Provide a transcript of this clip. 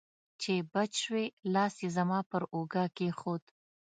چې بچ شوې، لاس یې زما پر اوږه کېښود.